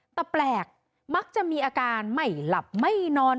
แต่แปลกมักจะมีอาการไม่หลับไม่นอน